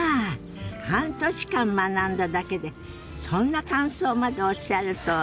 半年間学んだだけでそんな感想までおっしゃるとは。